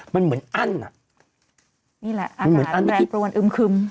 มันเหมือนอั้นน่ะนี่แหละอากาศแรงประวันอึมคึม